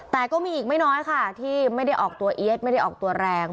แต่ก็มีอีกไม่น้อยค่ะที่ไม่ได้ออกตัวเอี๊ยดไม่ได้ออกตัวแรง